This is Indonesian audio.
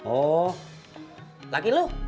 oh laki lu